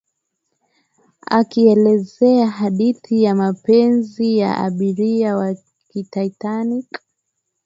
akielezea hadithi ya mapenzi ya abiria wa titanic